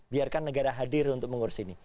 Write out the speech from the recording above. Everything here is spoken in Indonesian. biarkan negara hadir untuk mengurus ini